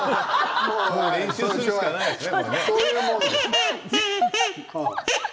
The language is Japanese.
笑い声練習するしかないですね。